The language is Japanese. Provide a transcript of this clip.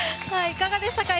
いかがでしたか？